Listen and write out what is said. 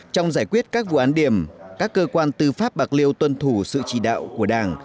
trong giải quyết các vụ án điểm các cơ quan tư pháp bạc liêu tuân thủ sự chỉ đạo của đảng